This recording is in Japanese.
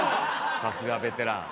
さすがベテラン。